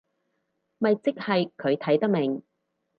咪即係佢睇得明